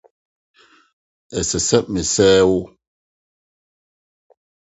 Ɛsɛ sɛ mesɛee wo.